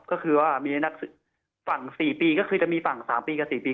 ก็คือว่ามีฝั่งสี่ปีก็คือจะมีฝั่งสามปีกับสี่ปี